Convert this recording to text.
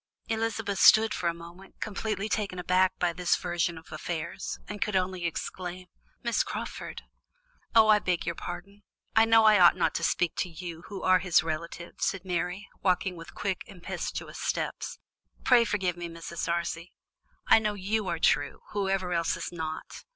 Elizabeth stood still for a moment, completely taken aback by this version of affairs, and could only exclaim: "Miss Crawford!" "Oh, I beg your pardon; I know I ought not to speak to you, who are his relative," said Mary, walking on with quick impetuous steps. "Pray forgive me, Mrs. Darcy; I know you are true, who ever else is not.